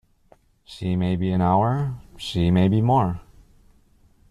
She may be an hour, she may be more.